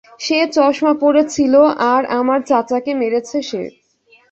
সে চশমা পরে ছিল, আর আমার চাচাকে মেরেছে সে।